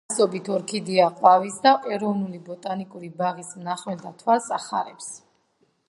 აქ ათასობით ორქიდეა ყვავის და ეროვნული ბოტანიკური ბაღის მნახველთა თვალს ახარებს.